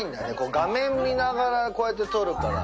画面見ながらこうやって撮るから。